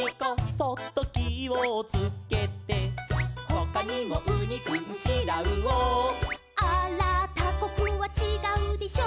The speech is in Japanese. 「そっときをつけて」「ほかにもウニくんシラウオ」「あーらータコくんはちがうでしょ」